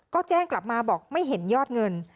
ก็แจ้งกลับมาบอกไม่เห็นยอดเงิน